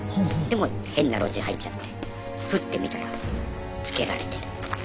でもう変な路地入っちゃってふって見たらつけられてる。